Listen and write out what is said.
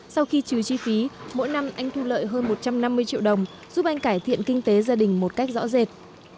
sau khi trừ chi phí mỗi năm anh thu lợi hơn một trăm năm mươi triệu đồng giúp anh cải thiện kinh tế gia đình một cách rõ rệt